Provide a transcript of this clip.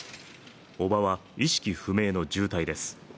叔母は意識不明の重体です。